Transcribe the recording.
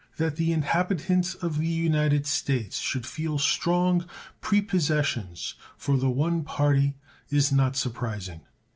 That the inhabitants of the United States should feel strong prepossessions for the one party is not surprising.